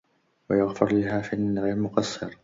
ويغفر للهافين غير مقصر